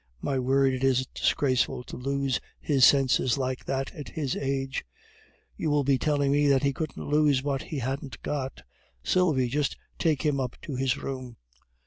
My word! it is disgraceful to lose his senses like that, at his age! You will be telling me that he couldn't lose what he hadn't got Sylvie, just take him up to his room!"